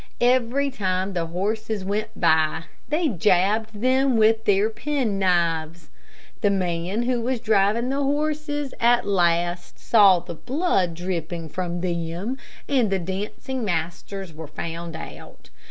Every time the horses went by, they jabbed them with their penknives. The man who was driving the horses at last saw the blood dripping from them, and the dancing masters were found out.